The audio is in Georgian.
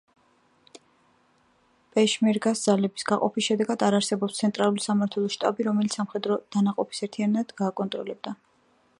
პეშმერგას ძალების გაყოფის შედეგად, არ არსებობს ცენტრალური სამმართველო შტაბი, რომელიც სამხედრო დანაყოფებს ერთიანად გააკონტროლებდა.